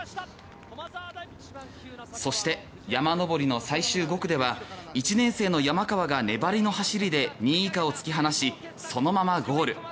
そして、山登りの最終５区では１年生の山川が粘りの走りで２位以下を突き放しそのままゴール。